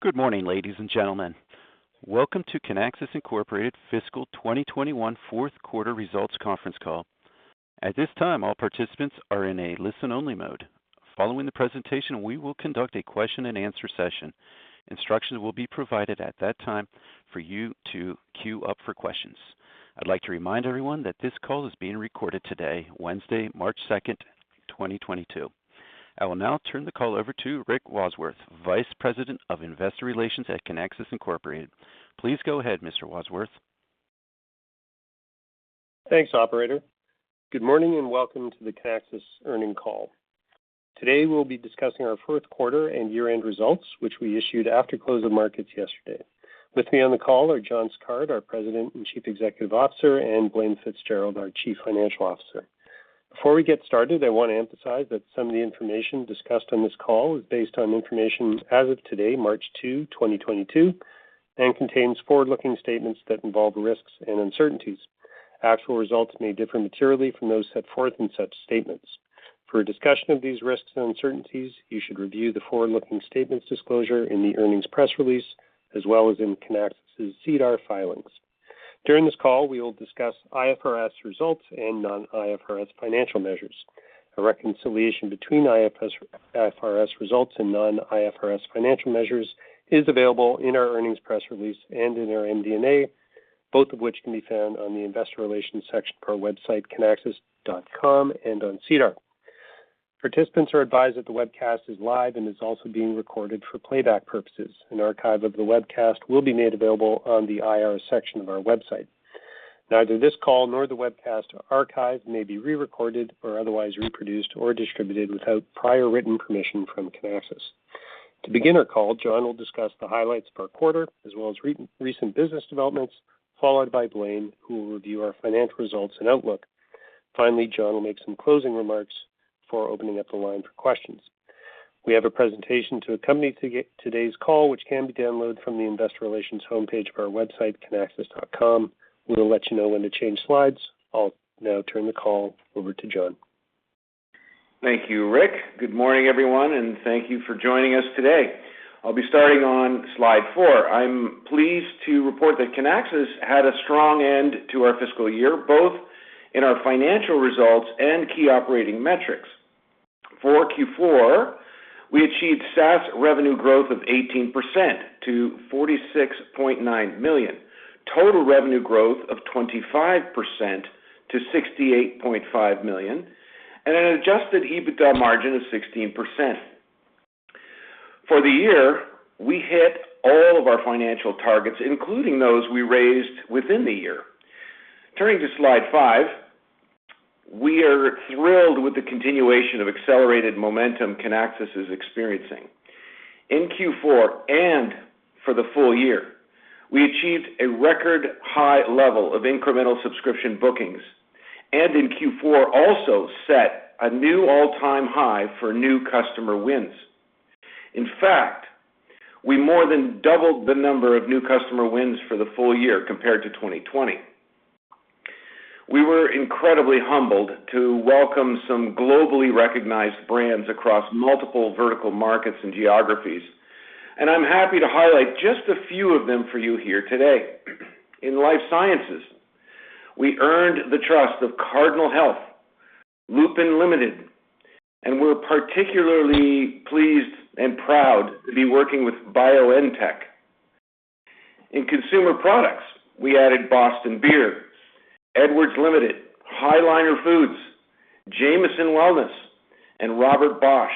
Good morning, ladies and gentlemen. Welcome to Kinaxis Incorporated Fiscal 2021 Fourth Quarter Results Conference Call. At this time, all participants are in a listen-only mode. Following the presentation, we will conduct a question-and-answer session. Instructions will be provided at that time for you to queue up for questions. I'd like to remind everyone that this call is being recorded today, Wednesday, March 2nd, 2022. I will now turn the call over to Rick Wadsworth, Vice President of Investor Relations at Kinaxis Incorporated Please go ahead, Mr. Wadsworth. Thanks, operator. Good morning and welcome to the Kinaxis earnings call. Today we'll be discussing our fourth quarter and year-end results, which we issued after close of markets yesterday. With me on the call are John Sicard, our President and Chief Executive Officer, and Blaine Fitzgerald, our Chief Financial Officer. Before we get started, I want to emphasize that some of the information discussed on this call is based on information as of today, March 2, 2022, and contains forward-looking statements that involve risks and uncertainties. Actual results may differ materially from those set forth in such statements. For a discussion of these risks and uncertainties, you should review the forward-looking statements disclosure in the earnings press release, as well as in Kinaxis' SEDAR filings. During this call, we will discuss IFRS results and non-IFRS financial measures. A reconciliation between IFRS results and non-IFRS financial measures is available in our earnings press release and in our MD&A, both of which can be found on the investor relations section of our website, kinaxis.com, and on SEDAR. Participants are advised that the webcast is live and is also being recorded for playback purposes. An archive of the webcast will be made available on the IR section of our website. Neither this call nor the webcast or archive may be re-recorded or otherwise reproduced or distributed without prior written permission from Kinaxis. To begin our call, John will discuss the highlights per quarter, as well as recent business developments, followed by Blaine, who will review our financial results and outlook. Finally, John will make some closing remarks for opening up the line for questions. We have a presentation to accompany today's call, which can be downloaded from the investor relations homepage of our website, kinaxis.com. We will let you know when to change slides. I'll now turn the call over to John. Thank you, Rick. Good morning, everyone, and thank you for joining us today. I'll be starting on Slide 4. I'm pleased to report that Kinaxis had a strong end to our fiscal year, both in our financial results and key operating metrics. For Q4, we achieved SaaS revenue growth of 18% to $46.9 million, total revenue growth of 25% to $68.5 million, and an adjusted EBITDA margin of 16%. For the year, we hit all of our financial targets, including those we raised within the year. Turning to Slide 5, we are thrilled with the continuation of accelerated momentum Kinaxis is experiencing. In Q4 and for the full-year, we achieved a record high level of incremental subscription bookings, and in Q4, also set a new all-time high for new customer wins. In fact, we more than doubled the number of new customer wins for the full-year compared to 2020. We were incredibly humbled to welcome some globally recognized brands across multiple vertical markets and geographies, and I'm happy to highlight just a few of them for you here today. In life sciences, we earned the trust of Cardinal Health, Lupin Limited, and we're particularly pleased and proud to be working with BioNTech. In consumer products, we added Boston Beer, Edwards, High Liner Foods, Jamieson Wellness, and Robert Bosch.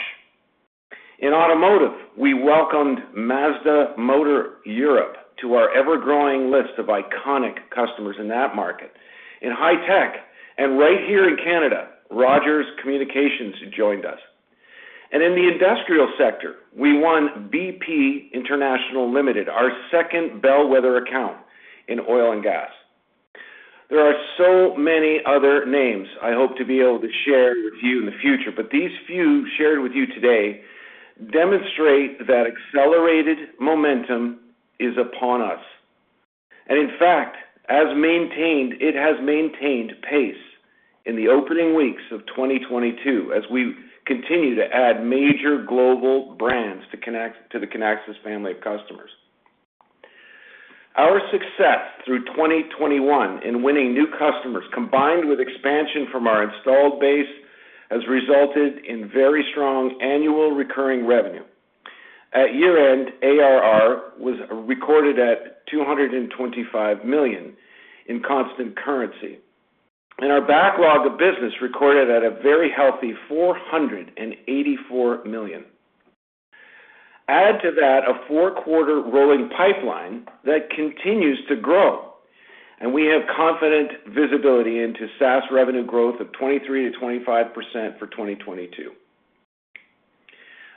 In automotive, we welcomed Mazda Motor Europe to our ever-growing list of iconic customers in that market. In high tech and right here in Canada, Rogers Communications joined us. In the industrial sector, we won BP International Limited, our second bellwether account in oil and gas. There are so many other names I hope to be able to share with you in the future, but these few shared with you today demonstrate that accelerated momentum is upon us. In fact, as maintained, it has maintained pace in the opening weeks of 2022 as we continue to add major global brands to the Kinaxis family of customers. Our success through 2021 in winning new customers combined with expansion from our installed base has resulted in very strong annual recurring revenue. At year-end, ARR was recorded at $225 million in constant currency, and our backlog of business recorded at a very healthy $484 million. Add to that a four-quarter rolling pipeline that continues to grow, and we have confident visibility into SaaS revenue growth of 23%-25% for 2022.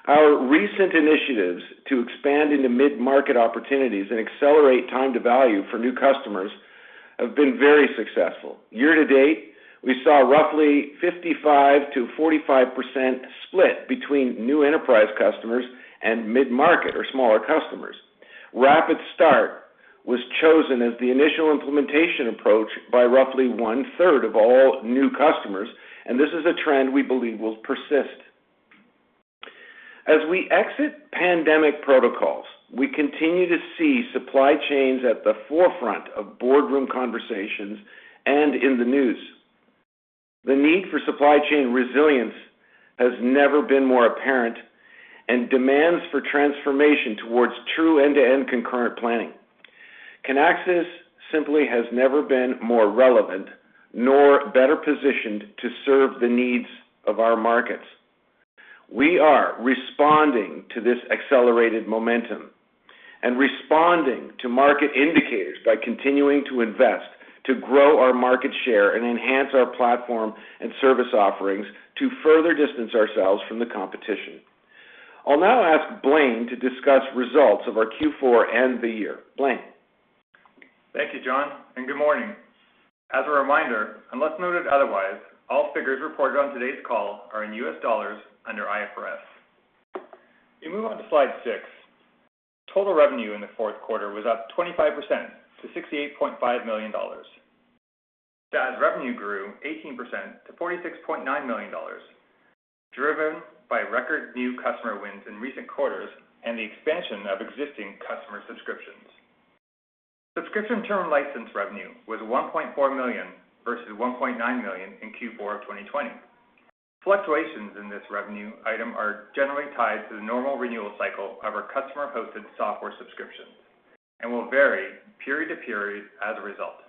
Our recent initiatives to expand into mid-market opportunities and accelerate time to value for new customers have been very successful. Year-to-date, we saw roughly 55%-45% split between new enterprise customers and mid-market or smaller customers. RapidStart was chosen as the initial implementation approach by roughly 1/3 of all new customers, and this is a trend we believe will persist. As we exit pandemic protocols, we continue to see supply chains at the forefront of boardroom conversations and in the news. The need for supply chain resilience has never been more apparent, and demands for transformation towards true end-to-end concurrent planning. Kinaxis simply has never been more relevant nor better positioned to serve the needs of our markets. We are responding to this accelerated momentum and responding to market indicators by continuing to invest, to grow our market share, and enhance our platform and service offerings to further distance ourselves from the competition. I'll now ask Blaine to discuss results of our Q4 and the year. Blaine? Thank you, John, and good morning. As a reminder, unless noted otherwise, all figures reported on today's call are in U.S. dollars under IFRS. We move on to Slide 6. Total revenue in the fourth quarter was up 25% to $68.5 million. SaaS revenue grew 18% to $46.9 million, driven by record new customer wins in recent quarters and the expansion of existing customer subscriptions. Subscription term license revenue was $1.4 million versus $1.9 million in Q4 of 2020. Fluctuations in this revenue item are generally tied to the normal renewal cycle of our customer-hosted software subscriptions and will vary period to period as a result.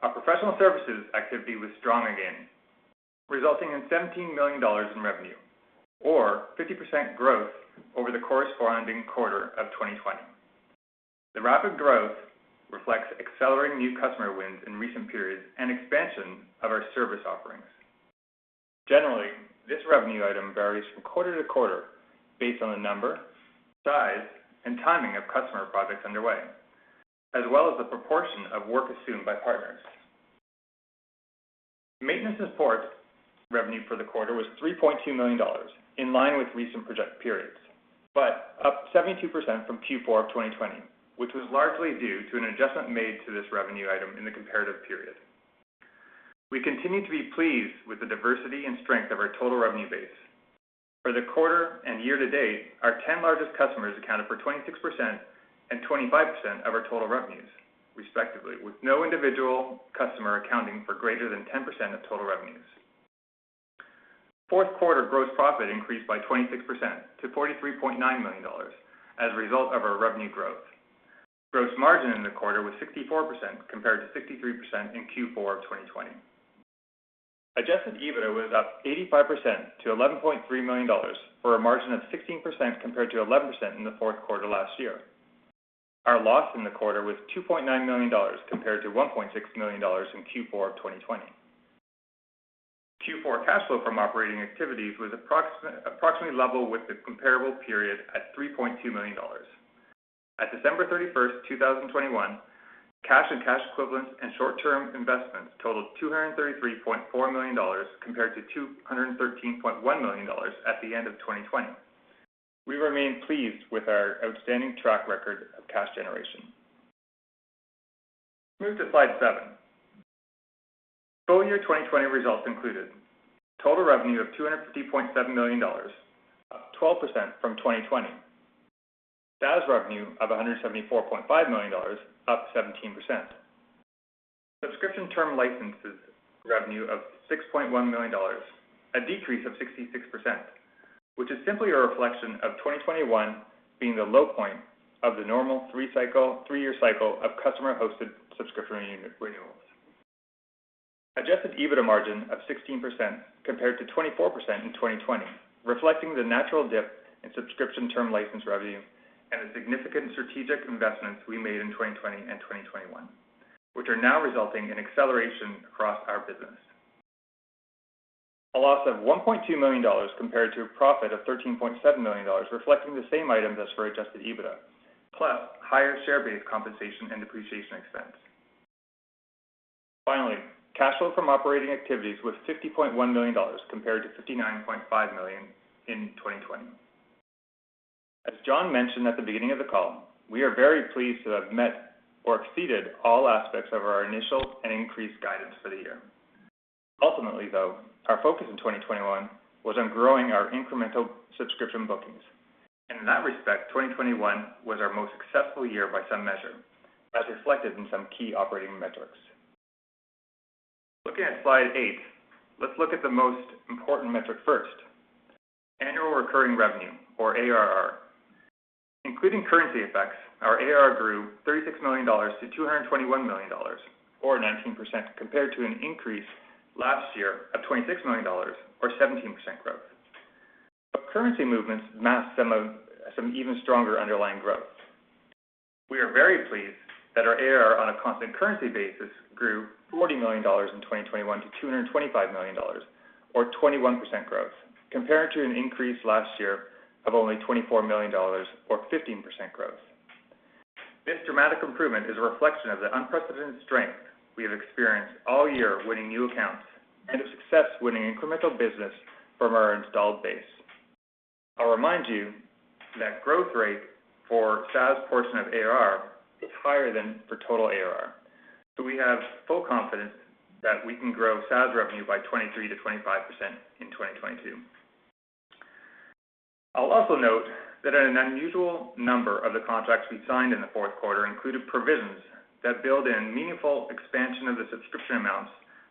Our Professional Services activity was strong again, resulting in $17 million in revenue or 50% growth over the corresponding quarter of 2020. The rapid growth reflects accelerating new customer wins in recent periods and expansion of our service offerings. Generally, this revenue item varies from quarter-to-quarter based on the number, size, and timing of customer projects underway, as well as the proportion of work assumed by partners. Maintenance and support revenue for the quarter was $3.2 million, in line with recent project periods, but up 72% from Q4 of 2020, which was largely due to an adjustment made to this revenue item in the comparative period. We continue to be pleased with the diversity and strength of our total revenue base. For the quarter and year-to-date, our 10 largest customers accounted for 26% and 25% of our total revenues, respectively, with no individual customer accounting for greater than 10% of total revenues. Fourth quarter gross profit increased by 26% to $43.9 million as a result of our revenue growth. Gross margin in the quarter was 64% compared to 63% in Q4 of 2020. Adjusted EBITDA was up 85% to $11.3 million, for a margin of 16% compared to 11% in the fourth quarter last year. Our loss in the quarter was $2.9 million compared to $1.6 million in Q4 of 2020. Q4 cash flow from operating activities was approximately level with the comparable period at $3.2 million. At December 31st, 2021, cash and cash equivalents and short-term investments totaled $233.4 million compared to $213.1 million at the end of 2020. We remain pleased with our outstanding track record of cash generation. Move to Slide 7. Full-year 2020 results included total revenue of $250.7 million, up 12% from 2020. SaaS revenue of $174.5 million, up 17%. Subscription term licenses revenue of $6.1 million, a decrease of 66%, which is simply a reflection of 2021 being the low point of the normal three-year cycle of customer-hosted subscription renewals. Adjusted EBITDA margin of 16% compared to 24% in 2020, reflecting the natural dip in subscription term license revenue and the significant strategic investments we made in 2020 and 2021, which are now resulting in acceleration across our business. A loss of $1.2 million compared to a profit of $13.7 million, reflecting the same items as for adjusted EBITDA, plus higher share-based compensation and depreciation expense. Finally, cash flow from operating activities was $50.1 million compared to $59.5 million in 2020. As John mentioned at the beginning of the call, we are very pleased to have met or exceeded all aspects of our initial and increased guidance for the year. Ultimately, though, our focus in 2021 was on growing our incremental subscription bookings. In that respect, 2021 was our most successful year by some measure, as reflected in some key operating metrics. Looking at Slide 8, let's look at the most important metric first, annual recurring revenue or ARR. Including currency effects, our ARR grew $36 million to $221 million or 19% compared to an increase last year of $26 million or 17% growth. Currency movements masked some even stronger underlying growth. We are very pleased that our ARR on a constant currency basis grew $40 million in 2021 to $225 million or 21% growth, compared to an increase last year of only $24 million or 15% growth. This dramatic improvement is a reflection of the unprecedented strength we have experienced all year winning new accounts and of success winning incremental business from our installed base. I'll remind you that growth rate for SaaS portion of ARR is higher than for total ARR. We have full confidence that we can grow SaaS revenue by 23%-25% in 2022. I'll also note that an unusual number of the contracts we signed in the fourth quarter included provisions that build in meaningful expansion of the subscription amounts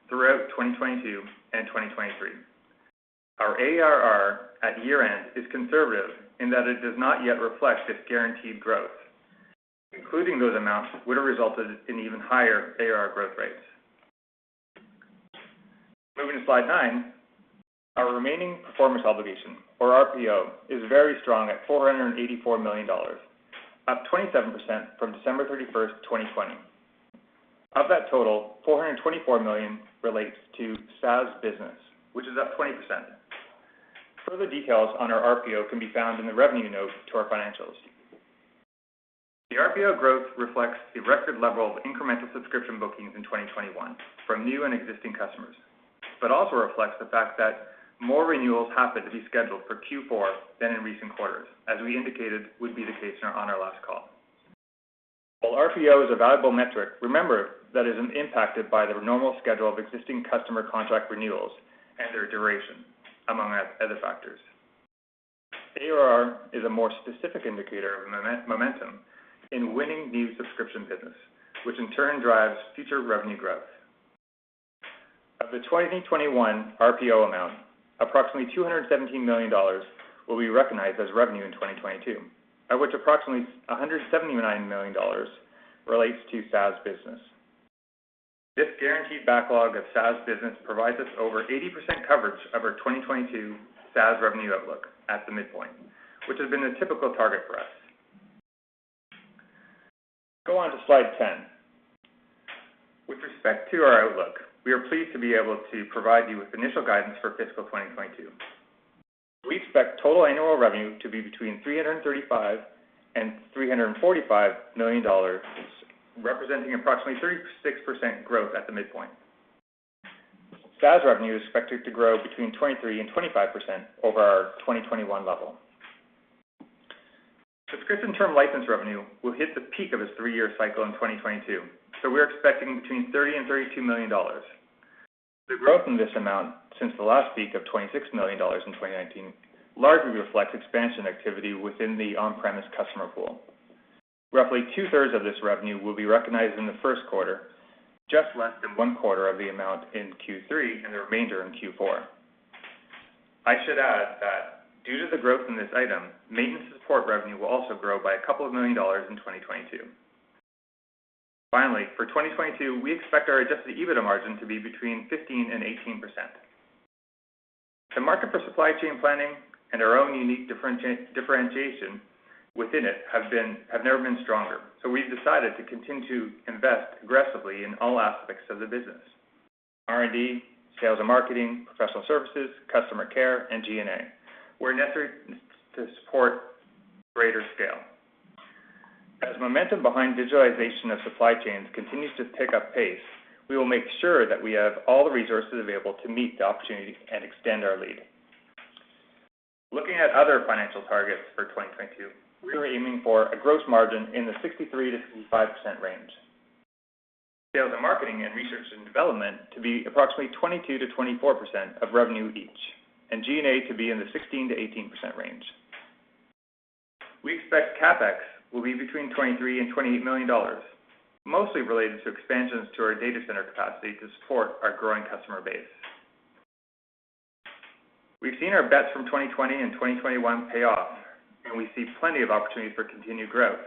throughout 2022 and 2023. Our ARR at year-end is conservative in that it does not yet reflect its guaranteed growth. Including those amounts would have resulted in even higher ARR growth rates. Moving to Slide 9. Our remaining performance obligation, or RPO, is very strong at $484 million, up 27% from December 31st, 2020. Of that total, $424 million relates to SaaS business, which is up 20%. Further details on our RPO can be found in the revenue note to our financials. The RPO growth reflects the record level of incremental subscription bookings in 2021 from new and existing customers, but also reflects the fact that more renewals happen to be scheduled for Q4 than in recent quarters, as we indicated would be the case on our last call. While RPO is a valuable metric, remember that it isn't impacted by the normal schedule of existing customer contract renewals and their duration among other factors. ARR is a more specific indicator of momentum in winning this Subscription business, which in turn drives future revenue growth. Of the 2021 RPO amount, approximately $217 million will be recognized as revenue in 2022, of which approximately $179 million relates to SaaS business. This guaranteed backlog of SaaS business provides us over 80% coverage of our 2022 SaaS revenue outlook at the midpoint, which has been a typical target for us. Go on to sSlide 10. With respect to our outlook, we are pleased to be able to provide you with initial guidance for Fiscal 2022. We expect total annual revenue to be between $335 million and $345 million, representing approximately 36% growth at the midpoint. SaaS revenue is expected to grow between 23% and 25% over our 2021 level. Subscription term license revenue will hit the peak of its three-year cycle in 2022, so we're expecting between $30 million and $32 million. The growth in this amount since the last peak of $26 million in 2019 largely reflects expansion activity within the on-premise customer pool. Roughly 2/3 of this revenue will be recognized in the first quarter, just less than one quarter of the amount in Q3, and the remainder in Q4. I should add that due to the growth in this item, maintenance and support revenue will also grow by $2 million in 2022. Finally, for 2022, we expect our adjusted EBITDA margin to be between 15%-18%. The market for supply chain planning and our own unique differentiation within it have never been stronger. We've decided to continue to invest aggressively in all aspects of the business, R&D, sales and marketing, professional services, customer care, and G&A, where necessary to support greater scale. As momentum behind digitalization of supply chains continues to pick up pace, we will make sure that we have all the resources available to meet the opportunity and extend our lead. Looking at other financial targets for 2022, we are aiming for a gross margin in the 63%-65% range. Sales and Marketing and Research and Development to be approximately 22%-24% of revenue each, and G&A to be in the 16%-18% range. We expect CapEx will be between $23 million-$28 million, mostly related to expansions to our data center capacity to support our growing customer base. We've seen our bets from 2020 and 2021 pay off, and we see plenty of opportunities for continued growth.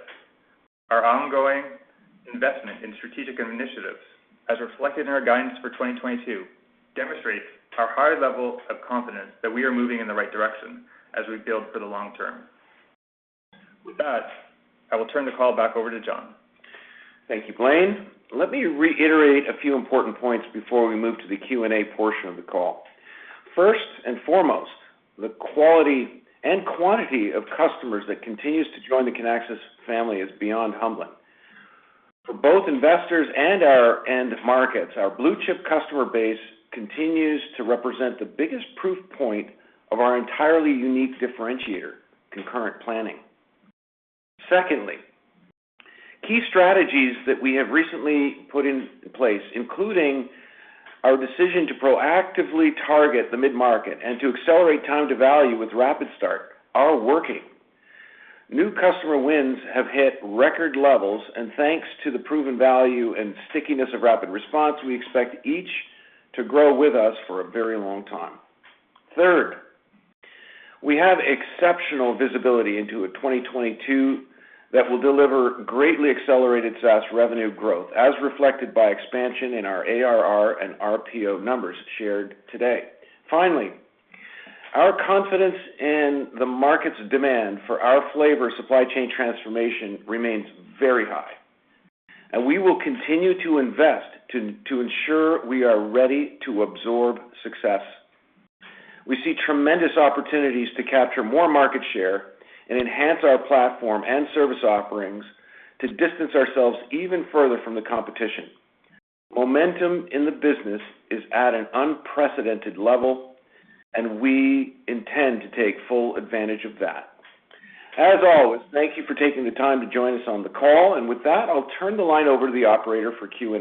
Our ongoing investment in strategic initiatives, as reflected in our guidance for 2022, demonstrates our high level of confidence that we are moving in the right direction as we build for the long-term. With that, I will turn the call back over to John. Thank you, Blaine. Let me reiterate a few important points before we move to the Q&A portion of the call. First and foremost, the quality and quantity of customers that continues to join the Kinaxis family is beyond humbling. For both investors and our end markets, our blue-chip customer base continues to represent the biggest proof point of our entirely unique differentiator, concurrent planning. Secondly, key strategies that we have recently put in place, including our decision to proactively target the mid-market and to accelerate time to value with RapidStart, are working. New customer wins have hit record levels, and thanks to the proven value and stickiness of RapidResponse, we expect each to grow with us for a very long time. Third, we have exceptional visibility into a 2022 that will deliver greatly accelerated SaaS revenue growth, as reflected by expansion in our ARR and RPO numbers shared today. Finally, our confidence in the market's demand for our future supply chain transformation remains very high, and we will continue to invest to ensure we are ready to absorb success. We see tremendous opportunities to capture more market share and enhance our platform and service offerings to distance ourselves even further from the competition. Momentum in the business is at an unprecedented level, and we intend to take full advantage of that. As always, thank you for taking the time to join us on the call. With that, I'll turn the line over to the operator for Q&A.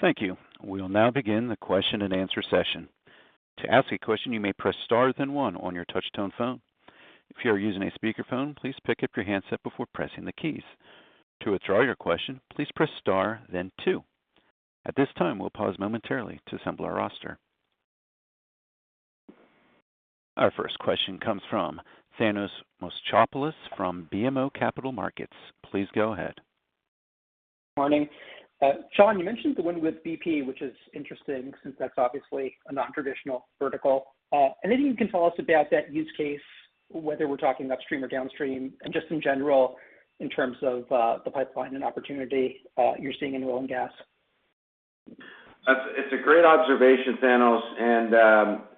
Thank you. We'll now begin the question-and-answer session. To ask a question, you may press Star, then one on your touch tone phone. If you are using a speakerphone, please pick up your handset before pressing the keys. To withdraw your question, please press Star, then two. At this time, we'll pause momentarily to assemble our roster. Our first question comes from Thanos Moschopoulos from BMO Capital Markets. Please go ahead. Morning. John, you mentioned the win with BP, which is interesting since that's obviously a non-traditional vertical. Anything you can tell us about that use case, whether we're talking upstream or downstream, and just in general in terms of the pipeline and opportunity you're seeing in oil and gas? It's a great observation, Thanos,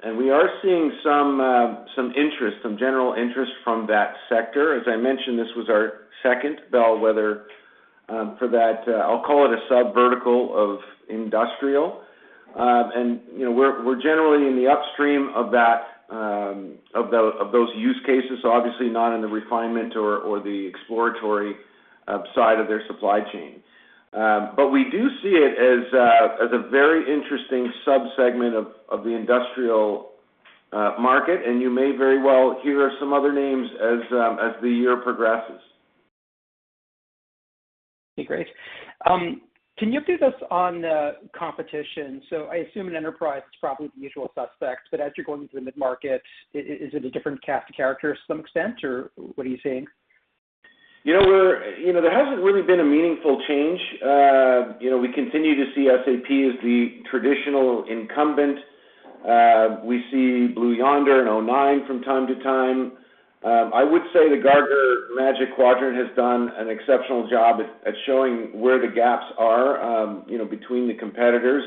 and we are seeing some general interest from that sector. As I mentioned, this was our second bellwether for that. I'll call it a sub-vertical of industrial. You know, we're generally in the upstream of those use cases, so obviously not in the refinement or the exploratory side of their supply chain. We do see it as a very interesting sub-segment of the industrial market, and you may very well hear some other names as the year progresses. Okay, great. Can you update us on competition? I assume in enterprise it's probably the usual suspects, but as you're going through mid-market, is it a different cast of characters to some extent, or what are you seeing? You know, there hasn't really been a meaningful change. You know, we continue to see SAP as the traditional incumbent. We see Blue Yonder and o9 from time to time. I would say the Gartner Magic Quadrant has done an exceptional job at showing where the gaps are, you know, between the competitors.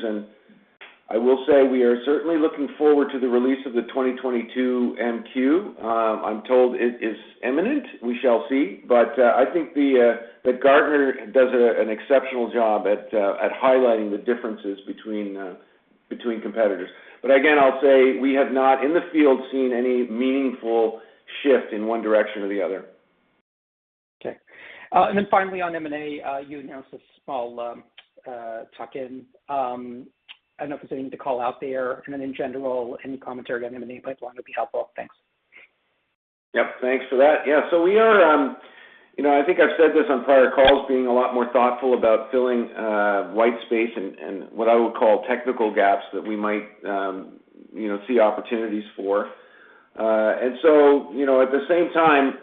I will say we are certainly looking forward to the release of the 2022 MQ. I'm told it is imminent. We shall see. I think that Gartner does an exceptional job at highlighting the differences between competitors. Again, I'll say we have not in the field seen any meaningful shift in one direction or the other. Okay. Finally on M&A, you announced a small tuck in. I don't know if there's anything to call out there. In general, any commentary on M&A pipeline would be helpful. Thanks. Yep, thanks for that. Yeah, we are, you know, I think I've said this on prior calls, being a lot more thoughtful about filling white space and what I would call technical gaps that we might, you know, see opportunities for. You know, at the same time,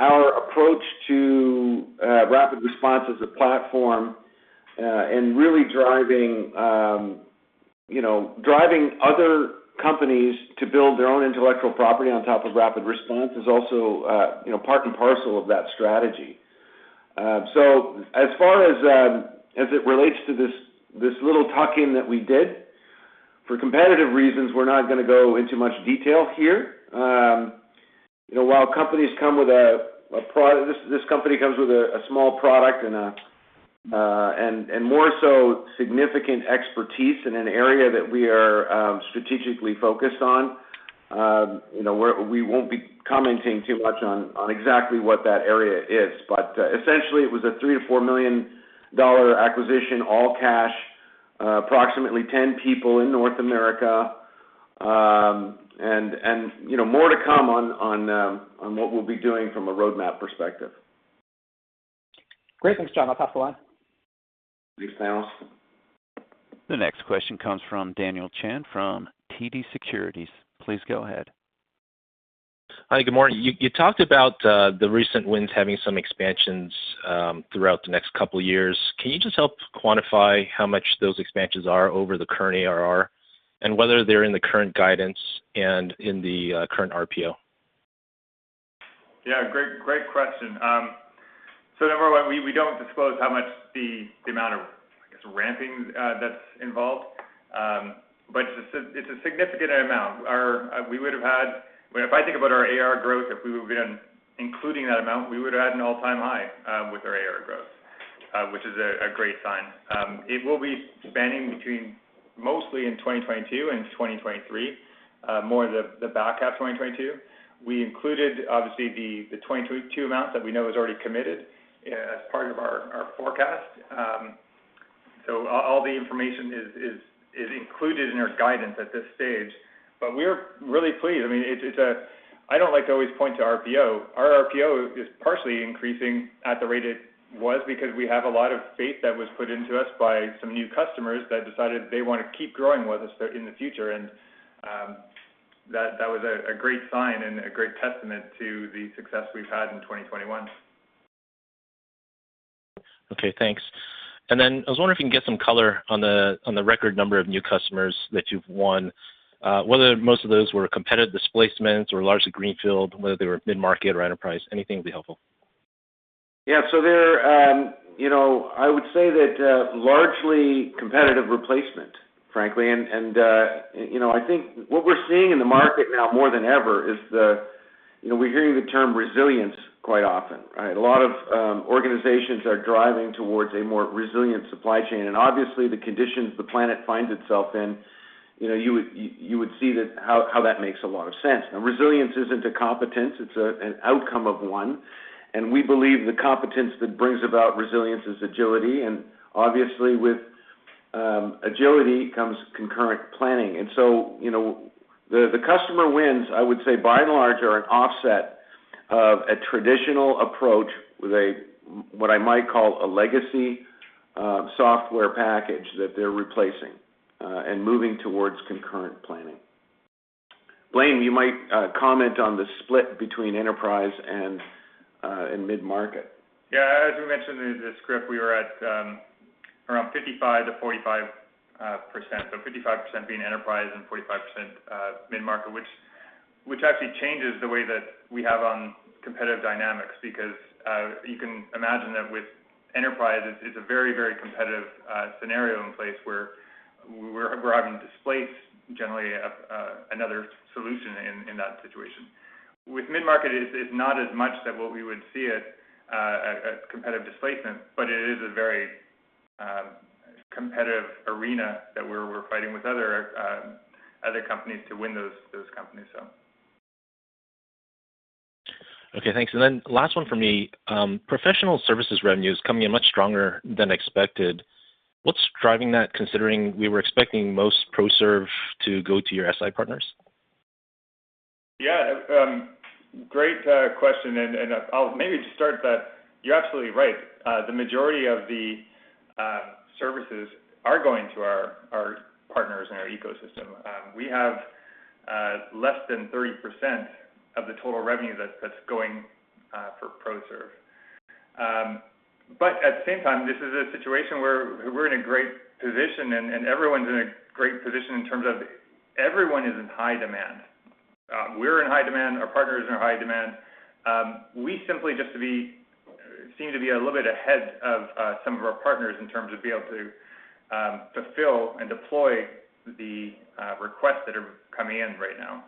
our approach to RapidResponse as a platform and really driving other companies to build their own intellectual property on top of RapidResponse is also, you know, part and parcel of that strategy. As far as it relates to this little tuck-in that we did, for competitive reasons, we're not gonna go into much detail here. You know, this company comes with a small product and more so significant expertise in an area that we are strategically focused on. You know, we won't be commenting too much on exactly what that area is. Essentially, it was a $3 million-$4 million acquisition, all cash, approximately 10 people in North America. You know, more to come on what we'll be doing from a roadmap perspective. Great. Thanks, John. I'll pass the line. Thanks, Thanos. The next question comes from Daniel Chan from TD Securities. Please go ahead. Hi, good morning. You talked about the recent wins having some expansions throughout the next couple of years. Can you just help quantify how much those expansions are over the current ARR and whether they're in the current guidance and in the current RPO? Yeah, great question. Number one, we don't disclose how much the amount of, I guess, ramping that's involved. It's a significant amount. I mean, if I think about our ARR growth, if we would have been including that amount, we would have had an all-time high with our ARR growth, which is a great sign. It will be spanning between mostly in 2022 and 2023, more the back half of 2022. We included obviously the 2022 amount that we know is already committed as part of our forecast. All the information is included in our guidance at this stage. We're really pleased. I mean, it's a. I don't like to always point to RPO. Our RPO is partially increasing at the rate it was because we have a lot of faith that was put into us by some new customers that decided they wanna keep growing with us in the future. That was a great sign and a great testament to the success we've had in 2021. Okay, thanks. I was wondering if you can give some color on the record number of new customers that you've won, whether most of those were competitive displacements or largely greenfield, whether they were mid-market or enterprise. Anything would be helpful. Yeah. They're, you know, I would say that largely competitive replacement, frankly. I think what we're seeing in the market now more than ever is. You know, we're hearing the term resilience quite often, right? A lot of organizations are driving towards a more resilient supply chain. Obviously, the conditions the planet finds itself in, you know, you would see that how that makes a lot of sense. Resilience isn't a competence, it's an outcome of one, and we believe the competence that brings about resilience is agility. Obviously, with agility comes concurrent planning. You know, the customer wins, I would say by and large, are an offset of a traditional approach with a, what I might call a legacy software package that they're replacing, and moving towards concurrent planning. Blaine, you might comment on the split between enterprise and mid-market. Yeah. As we mentioned in the script, we were at around 55%-45%. 55% being enterprise and 45% mid-market, which actually changes the way that we have on competitive dynamics because you can imagine that with enterprise, it's a very competitive scenario in place where we're having to displace generally another solution in that situation. With mid-market, it's not as much that what we would see it as competitive displacement, but it is a very competitive arena that we're fighting with other companies to win those companies. Okay, thanks. Last one for me. Professional Services revenues coming in much stronger than expected. What's driving that considering we were expecting most pro serve to go to your SI partners? Yeah, great question, and I'll maybe just start that you're absolutely right. The majority of the services are going to our partners in our ecosystem. We have less than 30% of the total revenue that's going for pro serve. But at the same time, this is a situation where we're in a great position, and everyone's in a great position in terms of everyone is in high demand. We're in high demand, our partners are in high demand. We simply seem to be a little bit ahead of some of our partners in terms of being able to fulfill and deploy the requests that are coming in right now.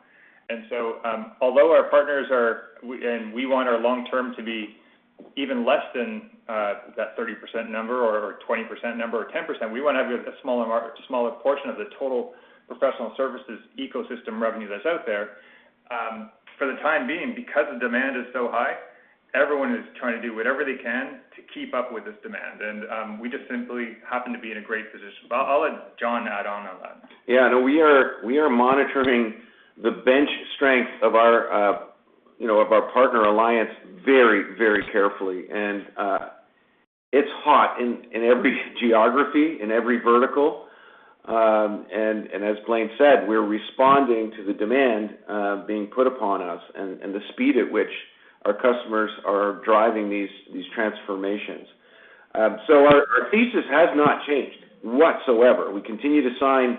Although our partners are We want our long-term to be even less than that 30% number or 20% number or 10%. We wanna have a smaller portion of the total professional services ecosystem revenue that's out there. For the time being, because the demand is so high, everyone is trying to do whatever they can to keep up with this demand. We just simply happen to be in a great position. I'll let John add on to that. Yeah. No, we are monitoring the bench strength of our you know of our partner alliance very very carefully. It's hot in every geography in every vertical. As Blaine said, we're responding to the demand being put upon us and the speed at which our customers are driving these transformations. Our thesis has not changed whatsoever. We continue to sign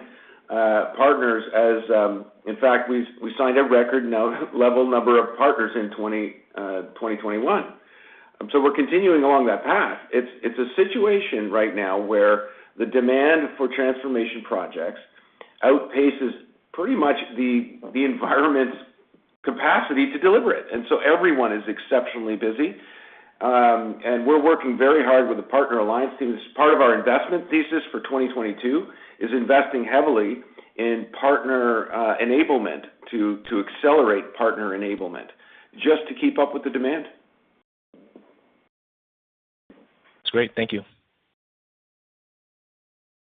partners. In fact, we've signed a record number of partners in 2021. We're continuing along that path. It's a situation right now where the demand for transformation projects outpaces pretty much the environment's capacity to deliver it. Everyone is exceptionally busy. We're working very hard with the partner alliance team as part of our investment thesis for 2022 is investing heavily in partner enablement to accelerate partner enablement just to keep up with the demand. That's great. Thank you.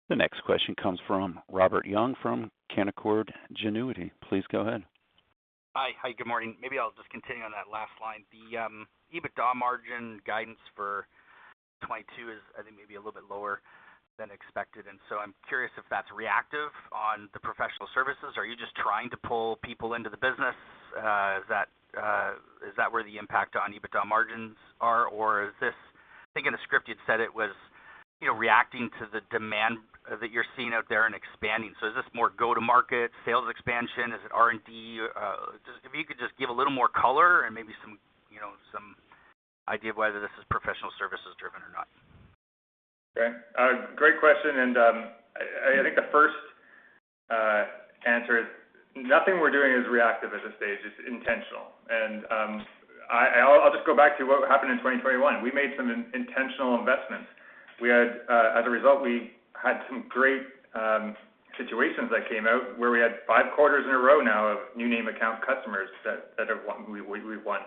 The next question comes from Robert Young from Canaccord Genuity. Please go ahead. Hi. Hi, good morning. Maybe I'll just continue on that last line. The EBITDA margin guidance for 2022 is I think maybe a little bit lower than expected, and I'm curious if that's reactive on the Professional Services. Are you just trying to pull people into the business? Is that where the impact on EBITDA margins are, or is this I think in the script you'd said it was, you know, reacting to the demand that you're seeing out there and expanding. Is this more go-to-market, sales expansion? Is it R&D? If you could just give a little more color and maybe some, you know, some idea of whether this is Professional Services driven or not. Okay. Great question, and I think the first answer is nothing we're doing is reactive at this stage. It's intentional. I'll just go back to what happened in 2021. We made some intentional investments. As a result, we had some great situations that came out where we had five quarters in a row now of new name account customers that have won. We've won.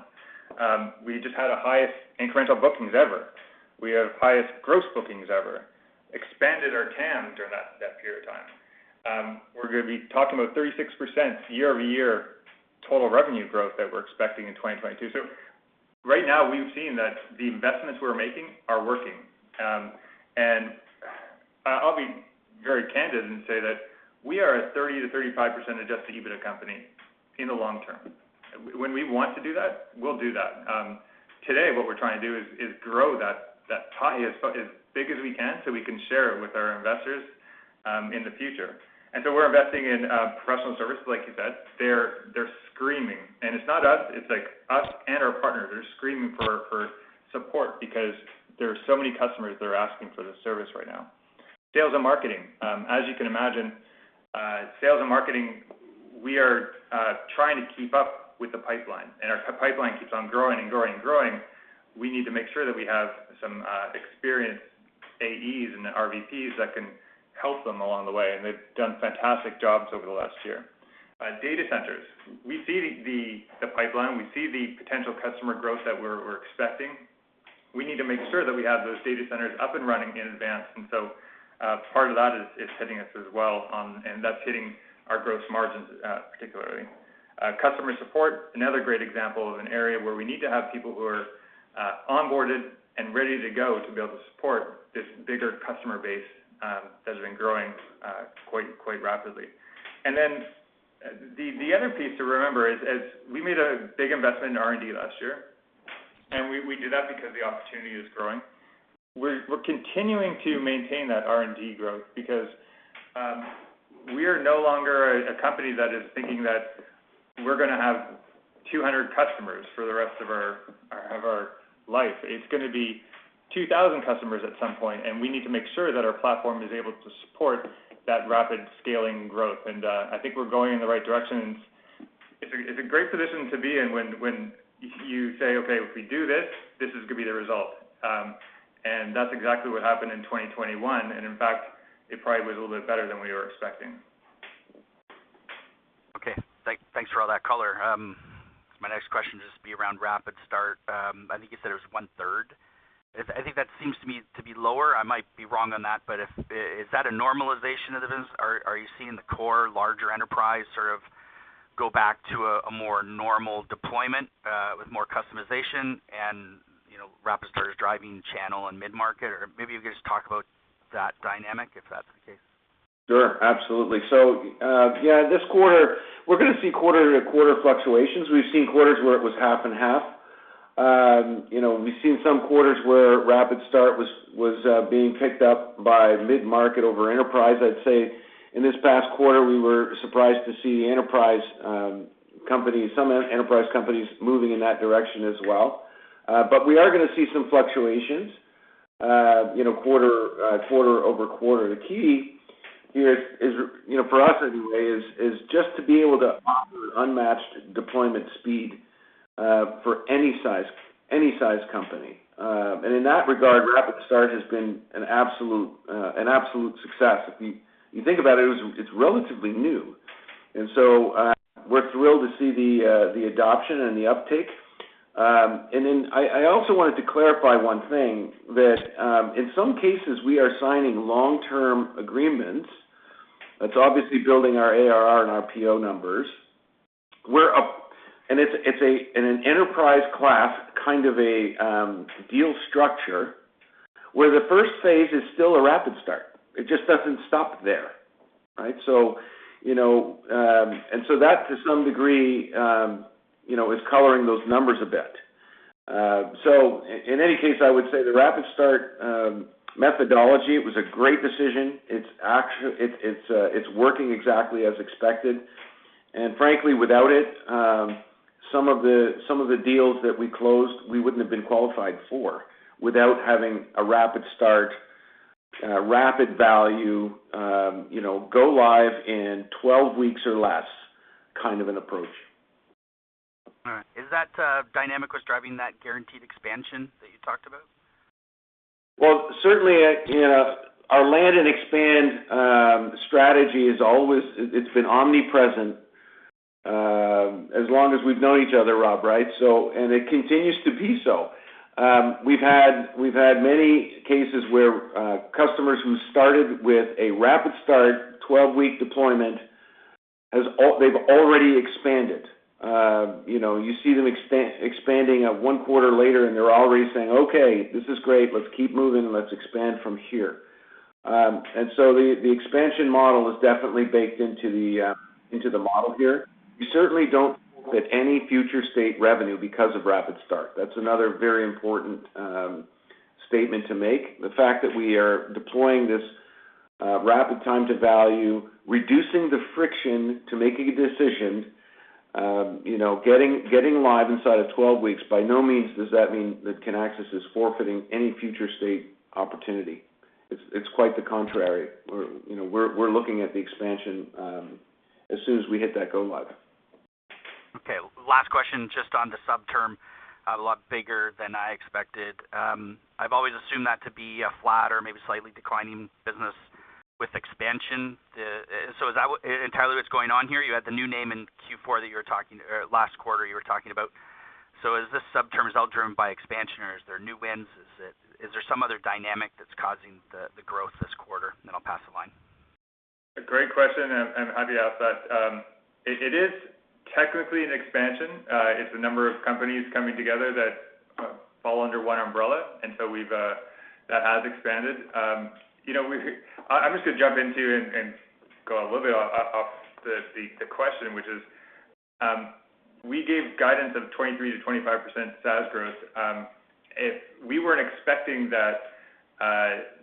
We just had our highest incremental bookings ever. We have highest gross bookings ever. Expanded our TAM during that period of time. We're gonna be talking about 36% year-over-year total revenue growth that we're expecting in 2022. Right now, we've seen that the investments we're making are working. I'll be very candid and say that we are a 30%-35% adjusted EBITDA company in the long-term. When we want to do that, we'll do that. Today what we're trying to do is grow that pie as big as we can so we can share it with our investors in the future. We're investing in professional services, like you said. They're screaming. It's not us, it's like us and our partners are screaming for support because there are so many customers that are asking for this service right now. Sales and Marketing. As you can imagine, Sales and Marketing, we are trying to keep up with the pipeline, and our pipeline keeps on growing. We need to make sure that we have some experienced AEs and RVPs that can help them along the way, and they've done fantastic jobs over the last year. Data centers, we see the pipeline, we see the potential customer growth that we're expecting. We need to make sure that we have those data centers up and running in advance. Part of that is hitting us as well, and that's hitting our gross margins, particularly. Customer support, another great example of an area where we need to have people who are onboarded and ready to go to be able to support this bigger customer base that has been growing quite rapidly. The other piece to remember is we made a big investment in R&D last year, and we did that because the opportunity is growing. We're continuing to maintain that R&D growth because we are no longer a company that is thinking that we're gonna have 200 customers for the rest of our life. It's gonna be 2,000 customers at some point, and we need to make sure that our platform is able to support that rapid scaling growth. I think we're going in the right direction. It's a great position to be in when you say, Okay, if we do this is gonna be the result. That's exactly what happened in 2021. In fact, it probably was a little bit better than we were expecting. Thanks for all that color. My next question will just be around RapidStart. I think you said it was 1/3. Is it? I think that seems to me to be lower. I might be wrong on that, but is that a normalization of the business? Are you seeing the core larger enterprise sort of go back to a more normal deployment with more customization and, you know, RapidStart is driving channel and mid-market? Or maybe you could just talk about that dynamic, if that's the case. Sure. Absolutely. Yeah, this quarter we're gonna see quarter-to-quarter fluctuations. We've seen quarters where it was half and half. You know, we've seen some quarters where RapidStart was being picked up by mid-market over enterprise. I'd say in this past quarter, we were surprised to see some enterprise companies moving in that direction as well. We are gonna see some fluctuations, you know, quarter-over-quarter. The key here is, you know, for us anyway, is just to be able to offer unmatched deployment speed for any size company. In that regard, RapidStart has been an absolute success. If you think about it was. It's relatively new, and so we're thrilled to see the adoption and the uptake. I also wanted to clarify one thing that in some cases we are signing long-term agreements that's obviously building our ARR and our RPO numbers, where it's in an enterprise class kind of a deal structure where the first phase is still a RapidStart. It just doesn't stop there, right? You know, that to some degree you know is coloring those numbers a bit. In any case, I would say the RapidStart methodology it was a great decision. It's working exactly as expected. Frankly, without it, some of the deals that we closed, we wouldn't have been qualified for without having a RapidStart, rapid value, you know, go live in 12 weeks or less kind of an approach. All right. Is that dynamic what's driving that guaranteed expansion that you talked about? Well, certainly, you know, our land and expand strategy is always, it's been omnipresent as long as we've known each other, Rob, right? It continues to be so. We've had many cases where customers who started with a RapidStart 12-week deployment have already expanded. You know, you see them expanding one quarter later, and they're already saying, Okay, this is great. Let's keep moving. Let's expand from here. The expansion model is definitely baked into the model here. We certainly don't count any future-state revenue because of RapidStart. That's another very important statement to make. The fact that we are deploying this rapid time to value, reducing the friction to making a decision, you know, getting live inside of 12 weeks, by no means does that mean that Kinaxis is forfeiting any future state opportunity. It's quite the contrary. We're, you know, looking at the expansion as soon as we hit that go live. Okay. Last question, just on the subscription, a lot bigger than I expected. I've always assumed that to be a flat or maybe slightly declining business with expansion. Is that entirely what's going on here? You had the new win in Q4 that you were talking, or last quarter you were talking about. Is this subscription result driven by expansion, or is there new wins? Is there some other dynamic that's causing the growth this quarter? I'll pass the line. A great question, and happy to answer that. It is technically an expansion. It's a number of companies coming together that fall under one umbrella. That has expanded. You know, I'm just gonna jump into and go a little bit off the question, which is, we gave guidance of 23%-25% SaaS growth. If we weren't expecting that,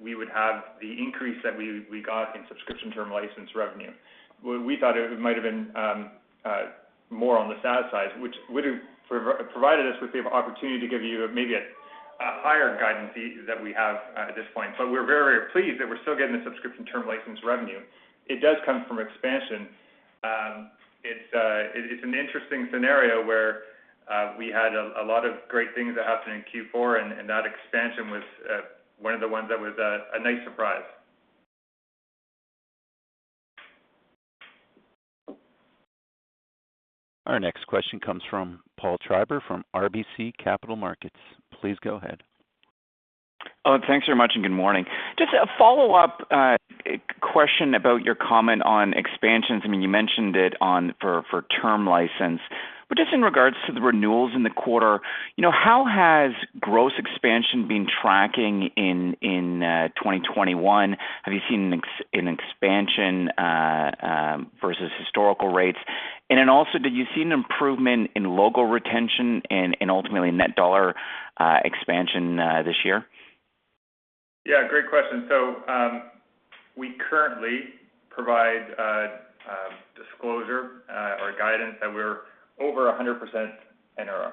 we would have the increase that we got in subscription term license revenue. We thought it might have been more on the SaaS side, which would've provided us with the opportunity to give you maybe a higher guidance than we have at this point. We're very pleased that we're still getting the subscription term license revenue. It does come from expansion. It is an interesting scenario where we had a lot of great things that happened in Q4, and that expansion was one of the ones that was a nice surprise. Our next question comes from Paul Treiber from RBC Capital Markets. Please go ahead. Oh, thanks very much, and good morning. Just a follow-up question about your comment on expansions. I mean, you mentioned it for term license. But just in regards to the renewals in the quarter, you know, how has gross expansion been tracking in 2021? Have you seen an expansion versus historical rates? And then also, did you see an improvement in logo retention and ultimately net dollar expansion this year? Yeah, great question. We currently provide disclosure or guidance that we're over 100% NRR.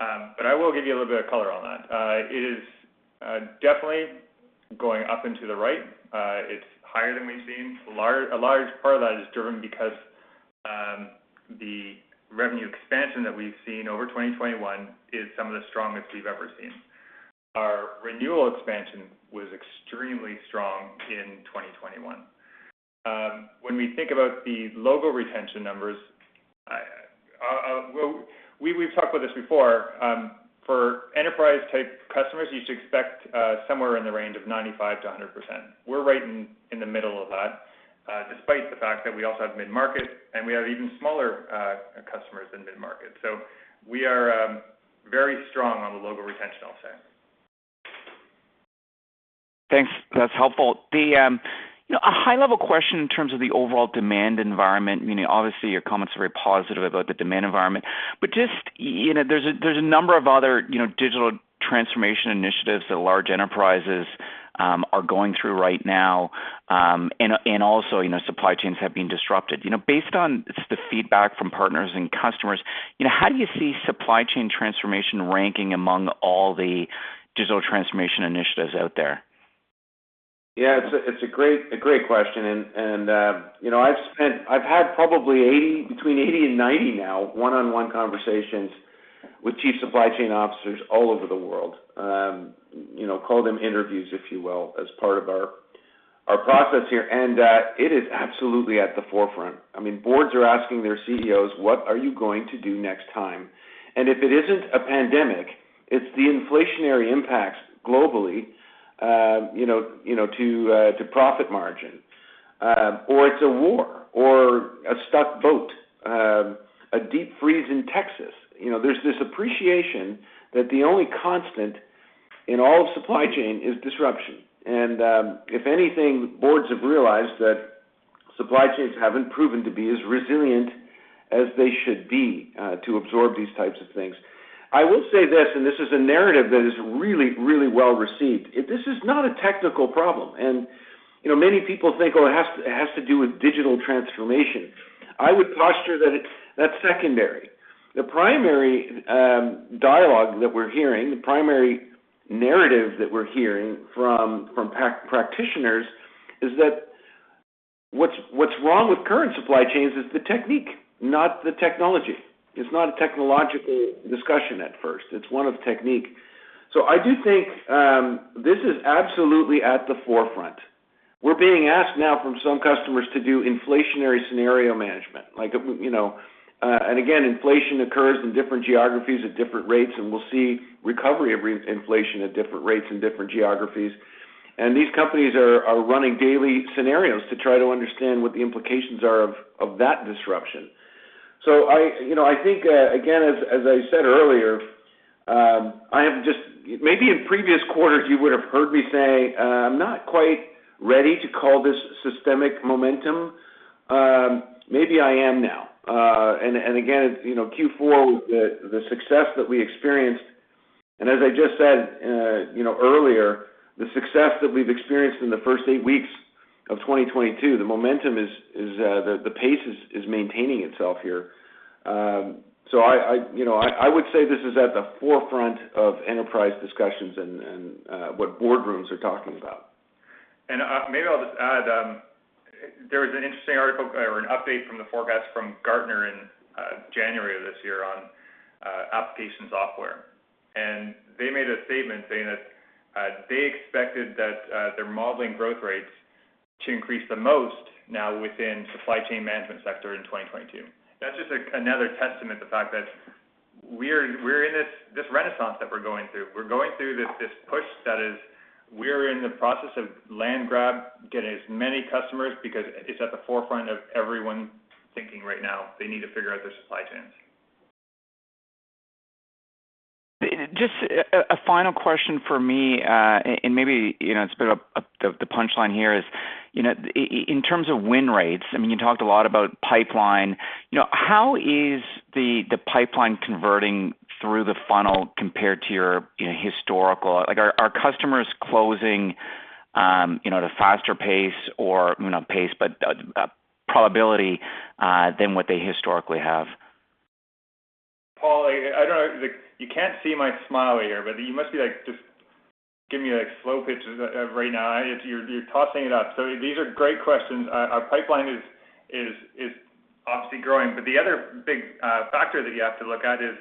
I will give you a little bit of color on that. It is definitely going up into the right. It's higher than we've seen. A large part of that is driven because the revenue expansion that we've seen over 2021 is some of the strongest we've ever seen. Our renewal expansion was extremely strong in 2021. When we think about the logo retention numbers, well, we've talked about this before, for enterprise-type customers, you should expect somewhere in the range of 95%-100%. We're right in the middle of that, despite the fact that we also have mid-market, and we have even smaller customers than mid-market. We are very strong on the logo retention, I'll say. Thanks. That's helpful. You know, a high-level question in terms of the overall demand environment, meaning obviously your comments are very positive about the demand environment. Just, you know, there's a number of other, you know, digital transformation initiatives that large enterprises are going through right now, and also, you know, supply chains have been disrupted. You know, based on just the feedback from partners and customers, you know, how do you see supply chain transformation ranking among all the digital transformation initiatives out there? Yeah, it's a great question. I've had probably between 80 and 90 now, one-on-one conversations with chief supply chain officers all over the world. You know, call them interviews, if you will, as part of our process here, and it is absolutely at the forefront. I mean, Boards are asking their CEOs, What are you going to do next time? If it isn't a pandemic, it's the inflationary impacts globally, you know, to profit margin, or it's a war or a stuck boat, a deep freeze in Texas. You know, there's this appreciation that the only constant in all of supply chain is disruption. If anything, Boards have realized that supply chains haven't proven to be as resilient as they should be to absorb these types of things. I will say this, and this is a narrative that is really, really well received. This is not a technical problem. You know, many people think, oh, it has to do with digital transformation. I would posture that it's, that's secondary. The primary dialogue that we're hearing, the primary narrative that we're hearing from practitioners is that what's wrong with current supply chains is the technique, not the technology. It's not a technological discussion at first. It's one of technique. I do think this is absolutely at the forefront. We're being asked now from some customers to do inflationary scenario management. Like, you know, again, inflation occurs in different geographies at different rates, and we'll see recovery of reinflation at different rates in different geographies. These companies are running daily scenarios to try to understand what the implications are of that disruption. You know, I think, again, as I said earlier, maybe in previous quarters, you would have heard me say, I'm not quite ready to call this systemic momentum. Maybe I am now. Again, you know, Q4, the success that we experienced, and as I just said, you know, earlier, the success that we've experienced in the first eight weeks of 2022, the momentum is, the pace is maintaining itself here. I you know I would say this is at the forefront of enterprise discussions and what boardrooms are talking about. Maybe I'll just add, there was an interesting article or an update from the forecast from Gartner in January of this year on application software. They made a statement saying that they expected that their modeling growth rates to increase the most now within supply chain management sector in 2022. That's just another testament to the fact that we're in this renaissance that we're going through. We're going through this push that is, we're in the process of land grab, getting as many customers because it's at the forefront of everyone thinking right now. They need to figure out their supply chains. Just a final question for me, and maybe, you know, it's a bit of the punchline here is, you know, in terms of win rates, I mean, you talked a lot about pipeline. You know, how is the pipeline converting through the funnel compared to your, you know, historical? Like, are customers closing You know, at a faster pace or, you know, pace, but a probability than what they historically have. Paul, I don't know, like you can't see my smile here, but you must be like just giving me like slow pitches right now. You're tossing it up. These are great questions. Our pipeline is obviously growing, but the other big factor that you have to look at is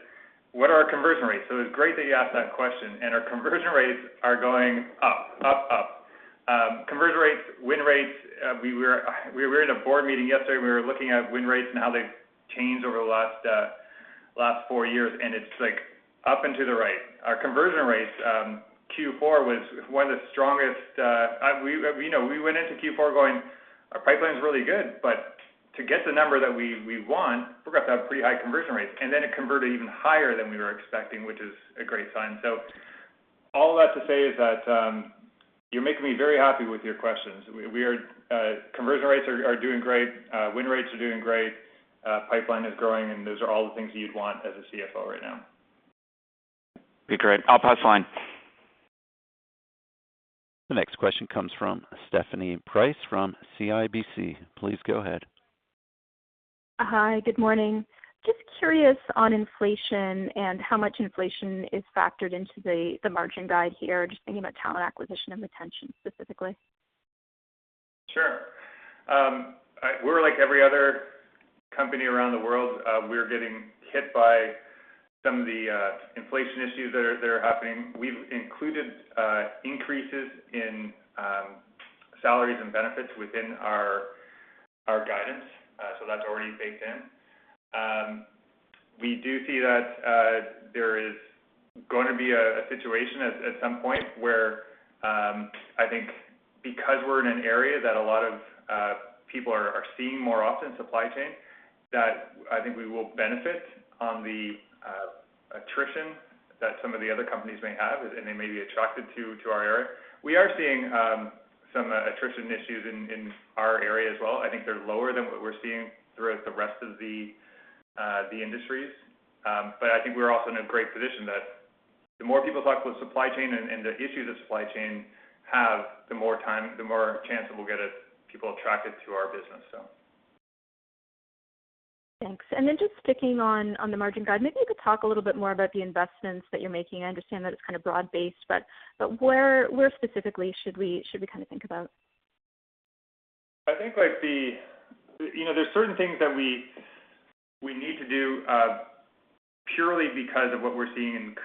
what are our conversion rates? It's great that you ask that question, and our conversion rates are going up. Conversion rates, win rates, we were in a Board meeting yesterday, and we were looking at win rates and how they've changed over the last four years, and it's like up and to the right. Our conversion rates, Q4 was one of the strongest. We, you know, we went into Q4 going, Our pipeline is really good, but to get the number that we want, we're gonna have to have pretty high conversion rates, and then it converted even higher than we were expecting, which is a great sign. All that to say is that you're making me very happy with your questions. Conversion rates are doing great, win rates are doing great, pipeline is growing, and those are all the things you'd want as a CFO right now. Okay, great. I'll pass the line. The next question comes from Stephanie Price from CIBC. Please go ahead. Hi. Good morning. Just curious on inflation and how much inflation is factored into the margin guide here. Just thinking about talent acquisition and retention specifically. Sure. We're like every other company around the world. We're getting hit by some of the inflation issues that are happening. We've included increases in salaries and benefits within our guidance. That's already baked in. We do see that there is going to be a situation at some point where I think because we're in an area that a lot of people are seeing more often, supply chain, that I think we will benefit on the attrition that some of the other companies may have, and they may be attracted to our area. We are seeing some attrition issues in our area as well. I think they're lower than what we're seeing throughout the rest of the industries. I think we're also in a great position that the more people talk about supply chain and the issues that supply chain have, the more time, the more chance that we'll get people attracted to our business, so. Thanks. Just sticking on the margin guide, maybe you could talk a little bit more about the investments that you're making. I understand that it's kind of broad-based, but where specifically should we kind of think about? I think you know, there are certain things that we need to do purely because of what we're seeing in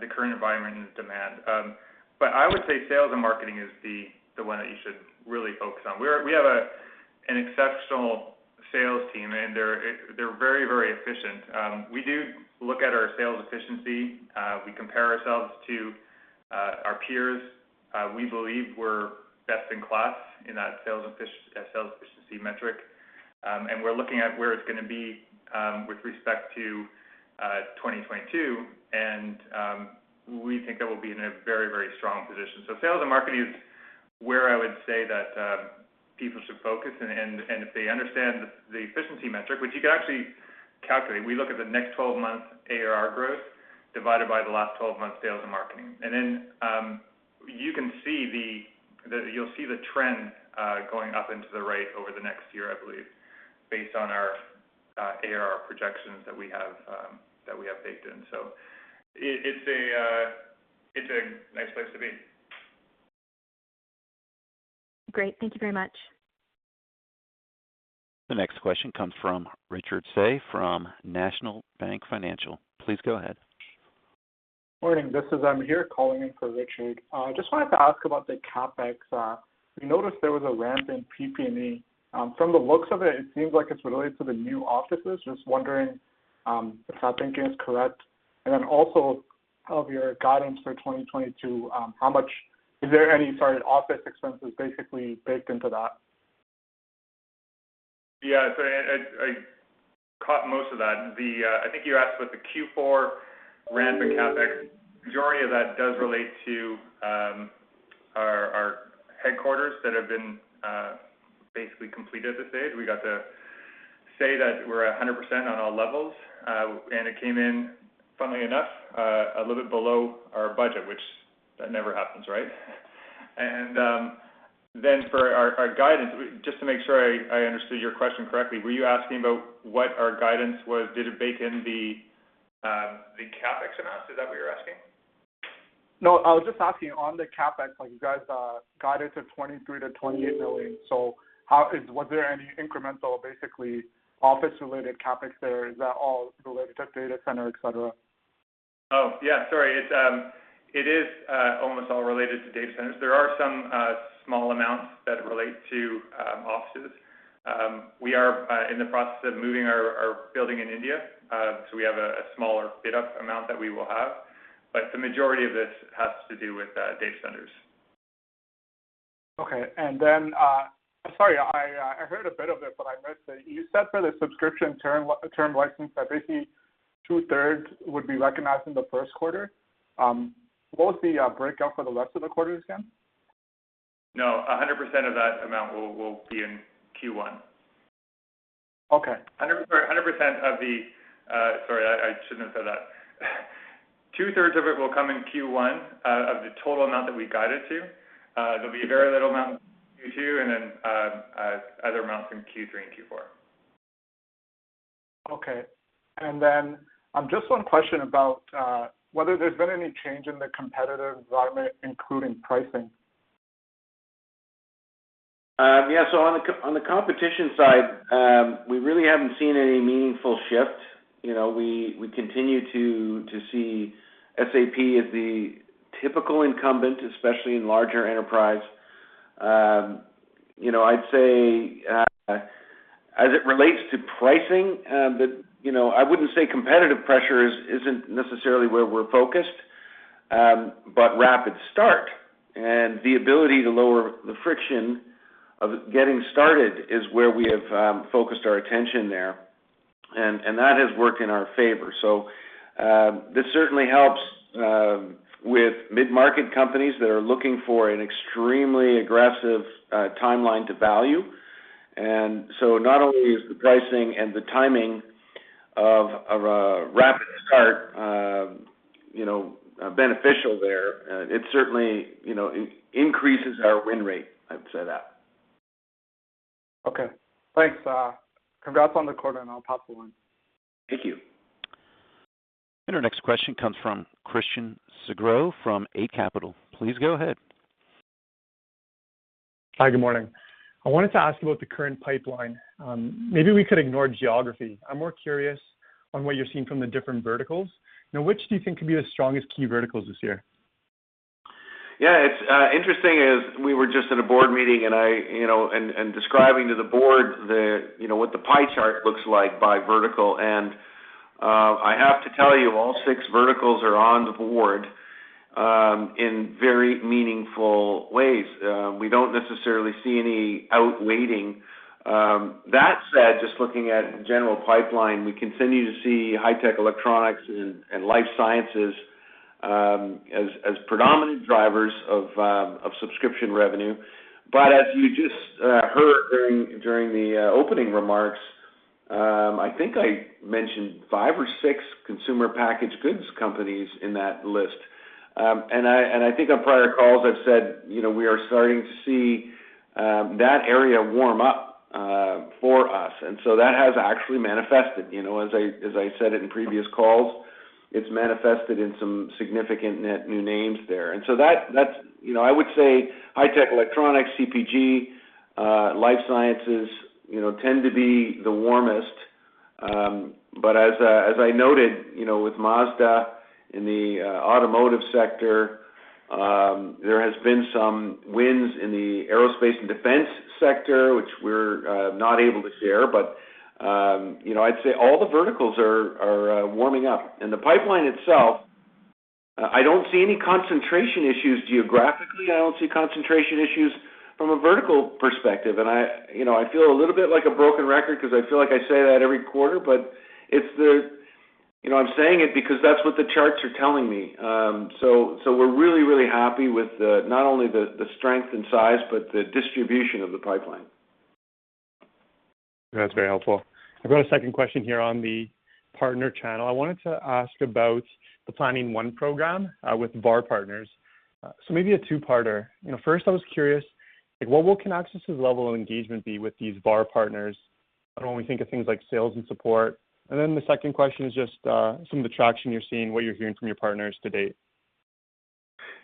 the current environment and demand. I would say sales and marketing is the one that you should really focus on. We have an exceptional sales team, and they're very efficient. We do look at our sales efficiency. We compare ourselves to our peers. We believe we're best in class in that sales efficiency metric. We're looking at where it's gonna be with respect to 2022, and we think that we'll be in a very strong position. Sales and Marketing is where I would say that people should focus. If they understand the efficiency metric, which you can actually calculate. We look at the next 12-month ARR growth divided by the last 12-month sales and marketing. You can see the trend going up into the right over the next year, I believe, based on our ARR projections that we have baked in. It's a nice place to be. Great. Thank you very much. The next question comes from Richard Tse from National Bank Financial. Please go ahead. Morning. This is Amir calling in for Richard. Just wanted to ask about the CapEx. We noticed there was a ramp in PP&E. From the looks of it seems like it's related to the new offices. Just wondering if that thinking is correct. Then also, for your guidance for 2022, how much is there any sort of office expenses basically baked into that? Yeah. I caught most of that. I think you asked about the Q4 ramp in CapEx. Majority of that does relate to our headquarters that have been basically completed at this stage. We got to say that we're 100% on all levels, and it came in, funnily enough, a little bit below our budget, which never happens, right? Then for our guidance, just to make sure I understood your question correctly, were you asking about what our guidance was? Did it bake in the CapEx amounts? Is that what you're asking? No. I was just asking on the CapEx, like you guys guided to $23 million-$28 million. Was there any incremental, basically, office-related CapEx there? Is that all related to data center, et cetera? Oh, yeah. Sorry. It is almost all related to data centers. There are some small amounts that relate to offices. We are in the process of moving our building in India, so we have a smaller fit up amount that we will have. The majority of this has to do with data centers. Okay. Sorry, I heard a bit of it, but I missed it. You said for the subscription term license that basically 2/3 would be recognized in the first quarter. What was the breakout for the rest of the quarters again? No, 100% of that amount will be in Q1. Okay. 2/3 of it will come in Q1 of the total amount that we guided to. There'll be a very little amount in Q2, and then other amounts in Q3 and Q4. Okay. Just one question about whether there's been any change in the competitive environment, including pricing. On the competition side, we really haven't seen any meaningful shift. You know, we continue to see SAP as the typical incumbent, especially in larger enterprise. You know, I'd say, as it relates to pricing, you know, I wouldn't say competitive pressure isn't necessarily where we're focused, but RapidStart and the ability to lower the friction of getting started is where we have focused our attention there. And that has worked in our favor. This certainly helps with mid-market companies that are looking for an extremely aggressive timeline to value. Not only is the pricing and the timing of a RapidStart beneficial there, it certainly increases our win rate, I'd say that. Okay. Thanks. Congrats on the quarter, and I'll pop a one. Thank you. Our next question comes from Christian Sgro from Eight Capital. Please go ahead. Hi, good morning. I wanted to ask about the current pipeline. Maybe we could ignore geography. I'm more curious on what you're seeing from the different verticals. Now, which do you think could be the strongest key verticals this year? Yeah, it's interesting, as we were just in a Board meeting, and I, you know, describing to the board what the pie chart looks like by vertical. I have to tell you, all six verticals are on the board in very meaningful ways. We don't necessarily see any out weighting. That said, just looking at general pipeline, we continue to see high-tech electronics and life sciences as predominant drivers of subscription revenue. As you just heard during the opening remarks, I think I mentioned five or six consumer packaged goods companies in that list. I think on prior calls I've said, you know, we are starting to see that area warm up for us. That has actually manifested. You know, as I said it in previous calls, it's manifested in some significant net new names there. That's, you know, I would say high tech, electronics, CPG, life sciences, you know, tend to be the warmest. As I noted, you know, with Mazda in the automotive sector, there has been some wins in the aerospace and defense sector, which we're not able to share. You know, I'd say all the verticals are warming up. The pipeline itself, I don't see any concentration issues geographically. I don't see concentration issues from a vertical perspective. You know, I feel a little bit like a broken record 'cause I feel like I say that every quarter, but it's the. You know, I'm saying it because that's what the charts are telling me. We're really happy with not only the strength and size, but the distribution of the pipeline. That's very helpful. I've got a second question here on the partner channel. I wanted to ask about the Planning One program with the VAR partners. So maybe a two-parter. You know, first I was curious, like what can Kinaxis's level of engagement be with these VAR partners and when we think of things like sales and support? Then the second question is just some of the traction you're seeing, what you're hearing from your partners to date.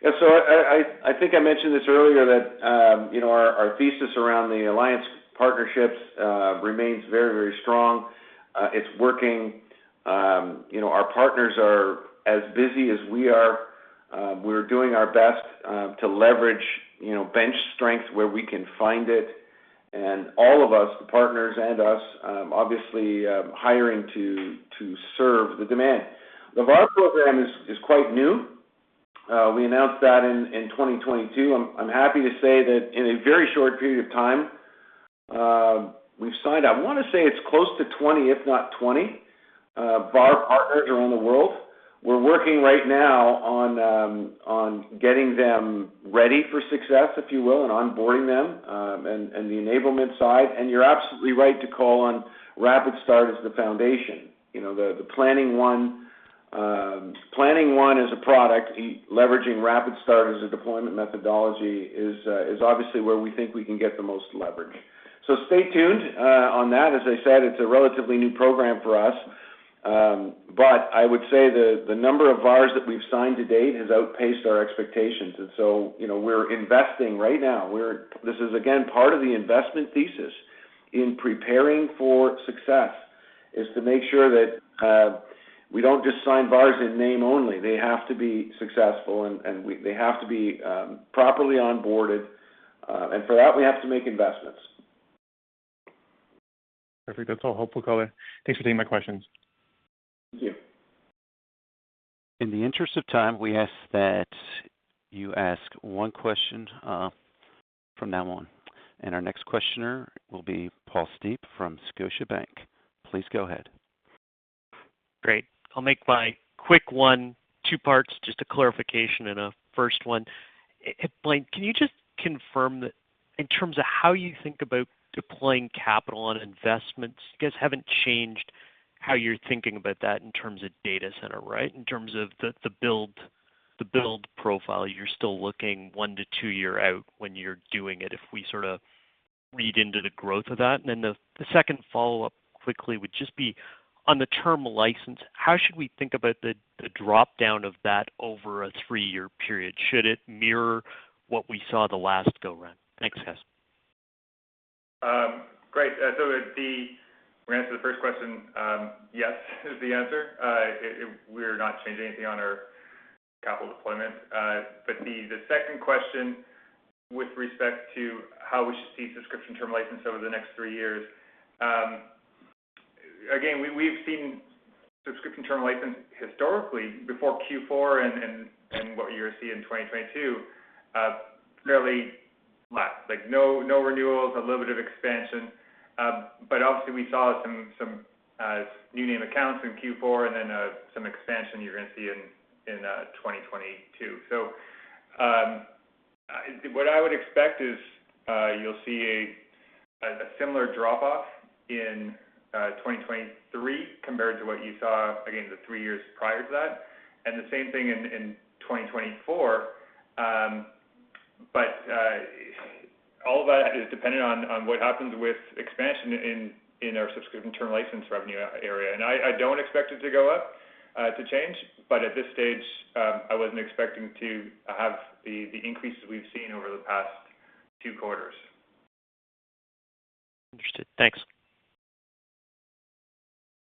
Yeah. I think I mentioned this earlier that, you know, our thesis around the alliance partnerships remains very, very strong. It's working. You know, our partners are as busy as we are. We're doing our best to leverage, you know, bench strength where we can find it. All of us, the partners and us, obviously, hiring to serve the demand. The VAR program is quite new. We announced that in 2022. I'm happy to say that in a very short period of time, we've signed, I wanna say it's close to 20, if not 20, VAR partners around the world. We're working right now on getting them ready for success, if you will, and onboarding them and the enablement side. You're absolutely right to call on RapidStart as the foundation. You know, the Planning One as a product, leveraging RapidStart as a deployment methodology is obviously where we think we can get the most leverage. Stay tuned on that. As I said, it's a relatively new program for us. But I would say the number of VARs that we've signed to date has outpaced our expectations. You know, we're investing right now. This is again, part of the investment thesis in preparing for success, is to make sure that we don't just sign VARs in name only. They have to be successful and they have to be properly onboarded. And for that, we have to make investments. Perfect. That's all helpful color. Thanks for taking my questions. Thank you. In the interest of time, we ask that you ask one question from now on. Our next questioner will be Paul Steep from Scotiabank. Please go ahead. Great. I'll make my quick one-two parts, just a clarification and a first one. Blaine, can you just confirm that in terms of how you think about deploying capital on investments, you guys haven't changed how you're thinking about that in terms of data center, right? In terms of the build profile, you're still looking one to two years out when you're doing it, if we sort of read into the growth of that. The second follow-up quickly would just be on the term license, how should we think about the dropdown of that over a three-year period? Should it mirror what we saw the last go around? Thanks, guys. Great. Ran through the first question, yes is the answer. We're not changing anything on our capital deployment. The second question with respect to how we should see subscription term license over the next three years, again, we've seen subscription term license historically before Q4 and what you're seeing in 2022, fairly flat, like, no renewals, a little bit of expansion. Obviously, we saw some new name accounts in Q4 and then some expansion you're gonna see in 2022. What I would expect is you'll see a similar drop-off in 2023 compared to what you saw, again, the three years prior to that, and the same thing in 2024. All that is dependent on what happens with expansion in our subscription term license revenue area. I don't expect it to change, but at this stage, I wasn't expecting to have the increases we've seen over the past two quarters. Understood. Thanks.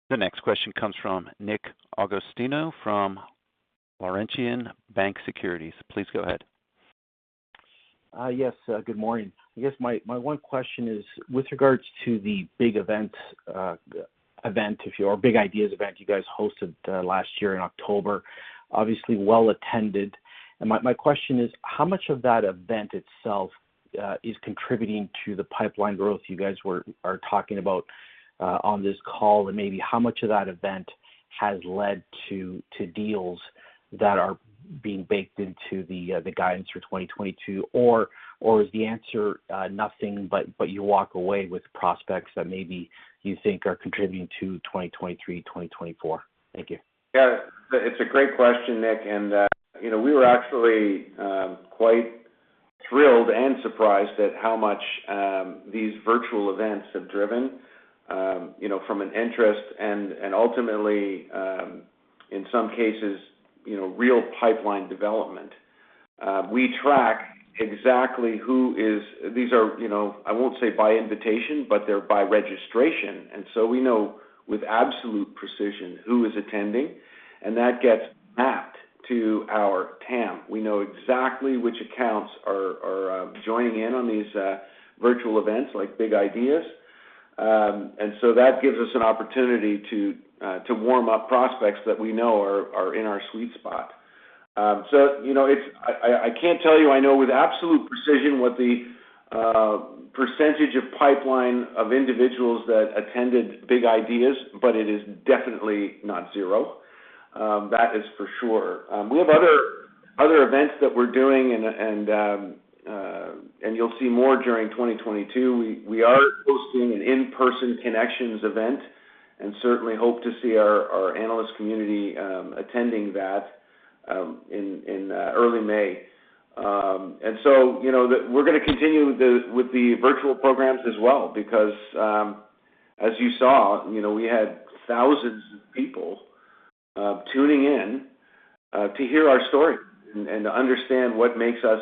The next question comes from Nick Agostino from Laurentian Bank Securities. Please go ahead. Yes, good morning. I guess my one question is with regards to the Big Ideas event you guys hosted last year in October, obviously well attended. My question is, how much of that event itself is contributing to the pipeline growth you guys are talking about on this call? Maybe how much of that event has led to deals that are being baked into the guidance for 2022? Or is the answer nothing, but you walk away with prospects that maybe you think are contributing to 2023, 2024? Thank you. Yeah. It's a great question, Nick. You know, we were actually quite thrilled and surprised at how much these virtual events have driven you know from an interest and ultimately in some cases you know real pipeline development. We track exactly these are you know I won't say by invitation but they're by registration. We know with absolute precision who is attending and that gets mapped to our TAM. We know exactly which accounts are joining in on these virtual events like Big Ideas. That gives us an opportunity to warm up prospects that we know are in our sweet spot. You know, I can't tell you I know with absolute precision what the percentage of pipeline of individuals that attended Big Ideas, but it is definitely not zero, that is for sure. We have other events that we're doing and you'll see more during 2022. We are hosting an in-person connections event and certainly hope to see our analyst community attending that in early May. You know, we're gonna continue with the virtual programs as well because, as you saw, you know, we had thousands of people tuning in to hear our story and to understand what makes us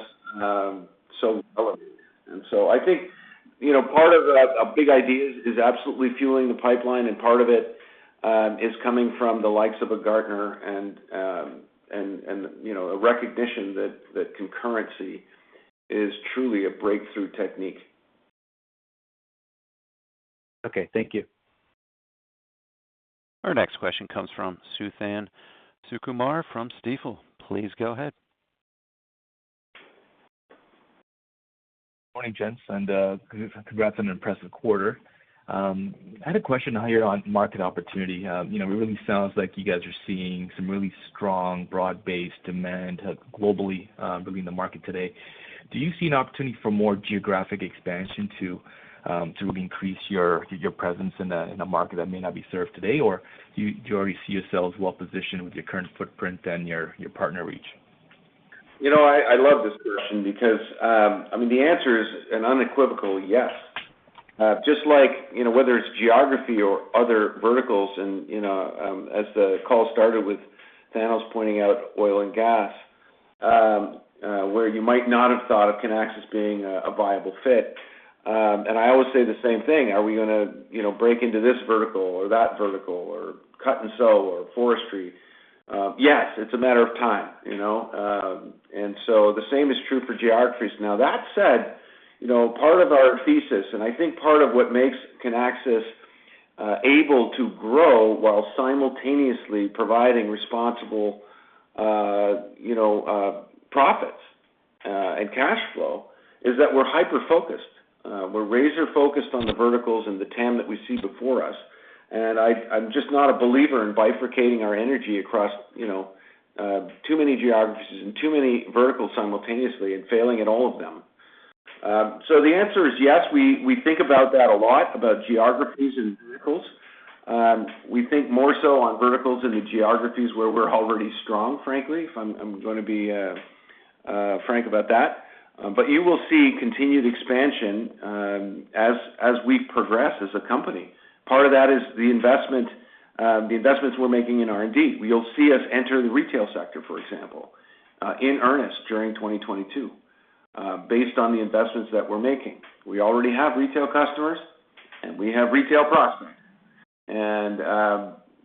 so relevant. I think, you know, part of that, Big Ideas is absolutely fueling the pipeline, and part of it is coming from the likes of a Gartner and, you know, a recognition that concurrency is truly a breakthrough technique. Okay. Thank you. Our next question comes from Suthan Sukumar from Stifel. Please go ahead. Morning, gents, and congrats on an impressive quarter. I had a question on your market opportunity. You know, it really sounds like you guys are seeing some really strong broad-based demand, globally, within the market today. Do you see an opportunity for more geographic expansion to increase your presence in a market that may not be served today? Or do you already see yourself as well-positioned with your current footprint and your partner reach? You know, I love this question because, I mean, the answer is an unequivocal yes. Just like, you know, whether it's geography or other verticals and, you know, as the call started with Thanos pointing out oil and gas, where you might not have thought of Kinaxis being a viable fit. I always say the same thing, are we gonna, you know, break into this vertical or that vertical or cut and sew or forestry? Yes, it's a matter of time, you know. The same is true for geographies. Now, that said, you know, part of our thesis, and I think part of what makes Kinaxis able to grow while simultaneously providing responsible, you know, profits and cash flow is that we're hyper-focused. We're razor-focused on the verticals and the TAM that we see before us. I'm just not a believer in bifurcating our energy across, you know, too many geographies and too many verticals simultaneously and failing at all of them. The answer is yes. We think about that a lot, about geographies and verticals. We think more so on verticals in the geographies where we're already strong, frankly. If I'm gonna be frank about that. You will see continued expansion as we progress as a company. Part of that is the investments we're making in R&D. You'll see us enter the retail sector, for example, in earnest during 2022, based on the investments that we're making. We already have retail customers, and we have retail prospects.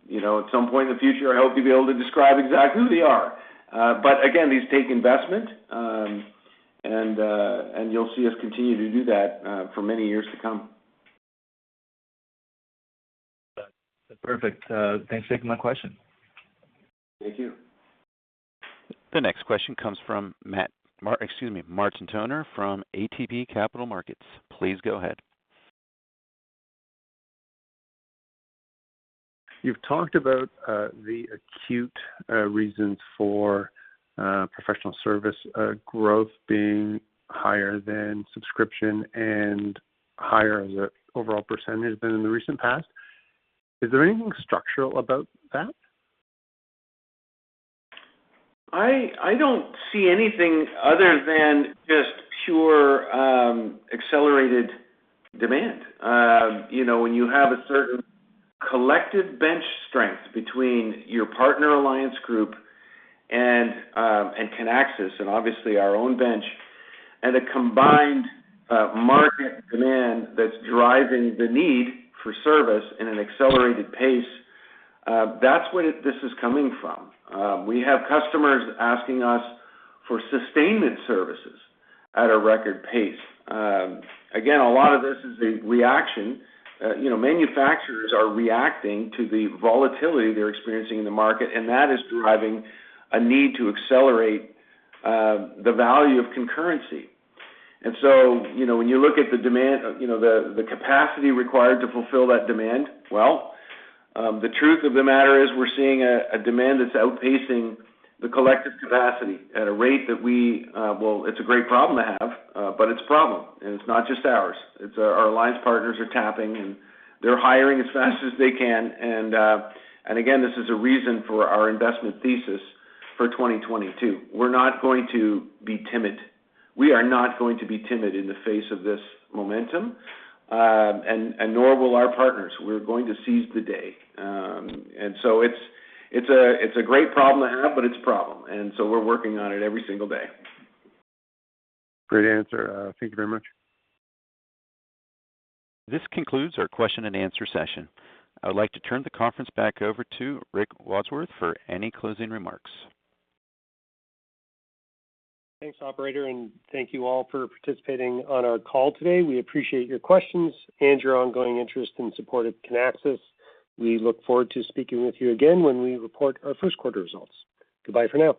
You know, at some point in the future, I hope you'll be able to describe exactly who they are. Again, these take investment. You'll see us continue to do that for many years to come. That's perfect. Thanks for taking my question. Thank you. The next question comes from Martin Toner from ATB Capital Markets. Please go ahead. You've talked about the acute reasons for professional service growth being higher than subscription and higher as an overall percentage than in the recent past. Is there anything structural about that? I don't see anything other than just pure accelerated demand. You know, when you have a certain collective bench strength between your partner alliance group and Kinaxis and obviously our own bench, and a combined market demand that's driving the need for service in an accelerated pace, that's where this is coming from. We have customers asking us for sustainment services at a record pace. Again, a lot of this is a reaction. You know, manufacturers are reacting to the volatility they're experiencing in the market, and that is driving a need to accelerate the value of concurrency. You know, when you look at the demand, you know, the capacity required to fulfill that demand, well, the truth of the matter is we're seeing a demand that's outpacing the collective capacity at a rate that we. Well, it's a great problem to have, but it's a problem, and it's not just ours. It's our alliance partners are tapping, and they're hiring as fast as they can. And again, this is a reason for our investment thesis for 2022. We're not going to be timid. We are not going to be timid in the face of this momentum, and nor will our partners. We're going to seize the day. It's a great problem to have, but it's a problem. We're working on it every single day. Great answer. Thank you very much. This concludes our question-and answer session. I would like to turn the conference back over to Rick Wadsworth for any closing remarks. Thanks, operator, and thank you all for participating on our call today. We appreciate your questions and your ongoing interest and support of Kinaxis. We look forward to speaking with you again when we report our first quarter results. Goodbye for now.